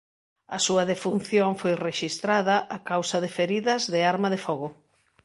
A súa defunción foi rexistrada a causa de feridas de arma de fogo.